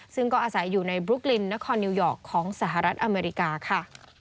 ซึ่งก็อาศัยอยู่ในบลุ๊กลินนครนิวยอร์กของสหรัฐอเมริกาค่ะ